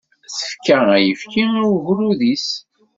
Tefka ayefki i ugerrud-is.